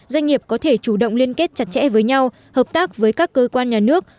doanh nghiệp có thể chủ động liên kết chặt chẽ với nhau hợp tác với các cơ quan nhà nước